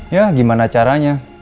ya gimana caranya